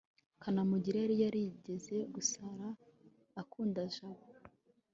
kanamugire yari yarigeze gusara akunda jabo